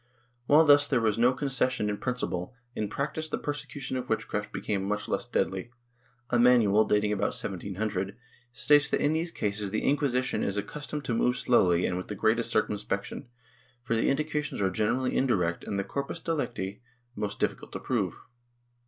^ While thus there was no concession in principle, in practice the persecution of witchcraft became much less deadly. A manual, dating about 1700, states that in these cases the Inquisition is accustomed to move slowly and with the greatest circumspection, for the indications are generally indirect and the corpus delicti most difficult to prove.